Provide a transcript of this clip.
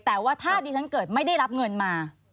แต่ว่าถ้าดิฉันเกิดไม่ได้รับเงินมา